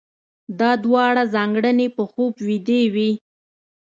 دا دواړه ځانګړنې په خوب ويدې وي.